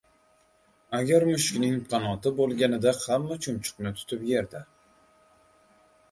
• Agar mushukning qanoti bo‘lganida hamma chumchuqni tutib yerdi.